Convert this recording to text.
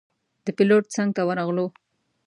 د پېلوټ څنګ ته ورغلو.